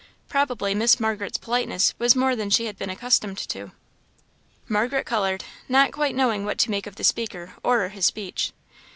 Probably Miss Margaret's politeness was more than she had been accustomed to." Margaret coloured, not quite knowing what to make of the speaker or his speech.